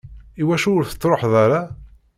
Iwacu ur tettruḥeḍ ara?